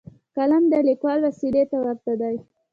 قلم د لیکوال وسلې ته ورته دی.